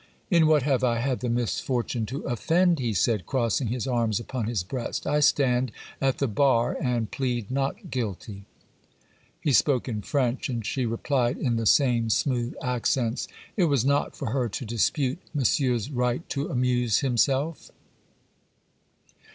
'In what have I had the misfortune to offend?' he said, crossing his arms upon his breast. 'I stand at the bar and plead not guilty.' He spoke in French, and she replied in the same smooth accents— 'It was not for her to dispute monsieur's right to amuse himself.